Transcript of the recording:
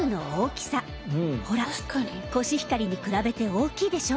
ほらコシヒカリに比べて大きいでしょ？